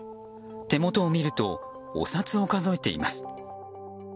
手元を見るとお札を数えています。